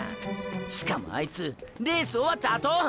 しかもあいつレース終わったあと。